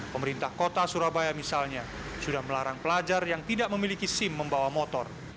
pemerintah kota surabaya misalnya sudah melarang pelajar yang tidak memiliki sim membawa motor